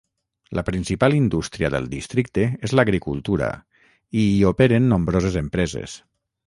La principal indústria del districte és l'agricultura i hi operen nombroses empreses.